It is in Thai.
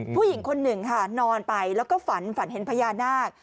ผู้หญิงคนหนึ่งค่ะนอนไปแล้วก็ฝันฝันเห็นพญานาค